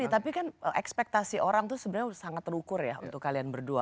tapi kan ekspektasi orang itu sebenarnya sangat terukur ya untuk kalian berdua